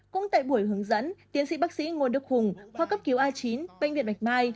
cũng tại buổi hướng dẫn tiến sĩ bác sĩ ngô đức hùng khoa cấp cứu a chín bệnh viện bạch mai